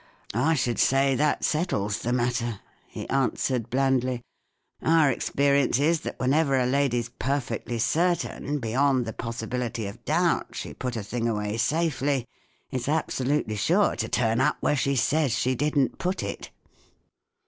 " I should say that settles the matter," he answered, blandly. " Our experience is that whenever a lady's per¬ fectly certain, beyond the possibility of doubt, she put a thing away safely, it's absolutely sure to turn up where she says she didn't put it."